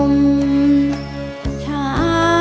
ไม่ใช้ค่ะ